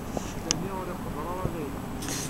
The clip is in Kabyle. Sami ur iquder ara Layla.